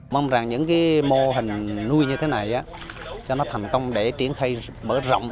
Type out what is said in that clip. mong rằng những mô hình nuôi như thế này cho nó thành công để triển khai bởi rộng